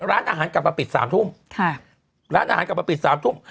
ร้านอาหารกลับมาปิดสามทุ่มค่ะร้านอาหารกลับมาปิดสามทุ่ม